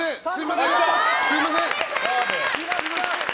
すみません！